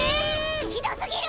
ひどすぎる！